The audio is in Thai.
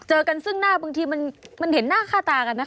เจอกันซึ่งหน้าบางทีมันเห็นหน้าค่าตากันนะคะ